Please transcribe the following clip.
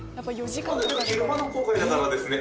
昼間の航海だからですね